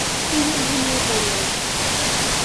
তিনি ঘুমিয়ে পড়লেন।